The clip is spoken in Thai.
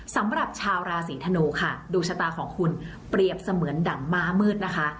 สำหรับชาวราศีธนูค่ะดวงชะตาของคุณเปรียบเสมือนดังม้ามืดนะคะ